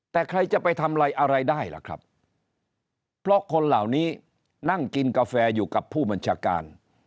แต่ใครจะไปทำอะไรอะไรได้ล่ะครับเพราะคนเหล่านี้นั่งกินกาแฟอยู่กับผู้บัญชาการ